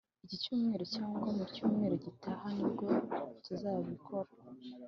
iki cyumweru cyangwa mu cyumweru gitaha nibwo tuzabikora